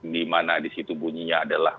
di mana di situ bunyinya adalah